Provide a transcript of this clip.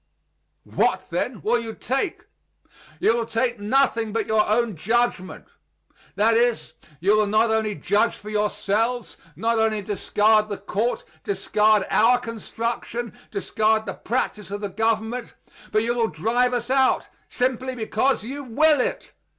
What, then, will you take? You will take nothing but your own judgment; that is, you will not only judge for yourselves, not only discard the court, discard our construction, discard the practise of the government, but you will drive us out, simply because you will it.